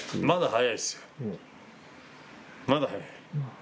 まだ早いですよ、まだ早い。